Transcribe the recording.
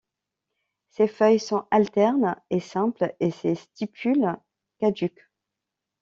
Ses feuilles sont alternes et simples et ses stipules caduques.